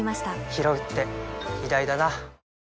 ひろうって偉大だな